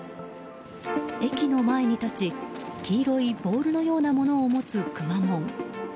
駅の前に立ち黄色いボールのようなものを持つくまモン。